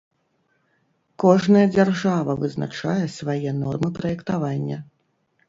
Кожная дзяржава вызначае свае нормы праектавання.